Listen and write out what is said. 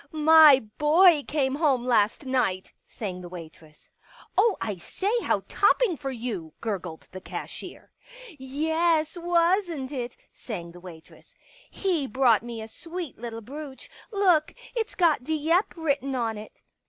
" My boy came home last night," sang the waitress. " Oh, I say — how topping for you !" gurgled the cashier. " Yes, wasn't it," sang the waitress. " He brought me a sweet little brooch. Look, it's got * Dieppe ' written on it."